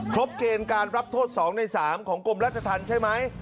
ครบเกณฑ์การรับโทษ๒ใน๓ของกรมรัฐทันใช่ไหม